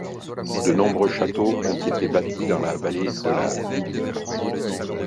De nombreux châteaux ont été bâtis dans la vallée de la Vyle.